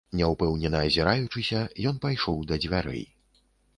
Няўпэўнена азіраючыся, ён пайшоў да дзвярэй.